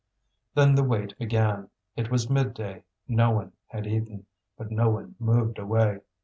Then the wait began. It was midday; no one had eaten, but no one moved away.